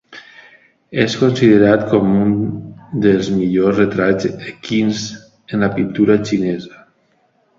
És considerat com un dels millors retrats equins en la pintura xinesa.